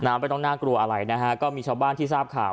ไม่ต้องน่ากลัวอะไรนะฮะก็มีชาวบ้านที่ทราบข่าว